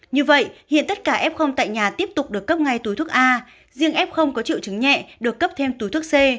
như vậy hiện tất cả f tại nhà tiếp tục được cấp ngay túi thuốc a riêng f có triệu chứng nhẹ được cấp thêm túi thuốc c